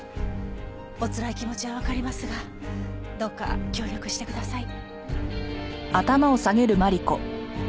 おつらい気持ちはわかりますがどうか協力してください。